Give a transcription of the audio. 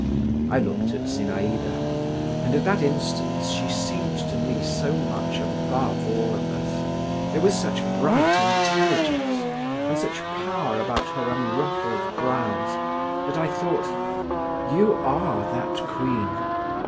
I looked at Zinaïda, and at that instant she seemed to me so much above all of us, there was such bright intelligence, and such power about her unruffled brows, that I thought: "You are that queen!"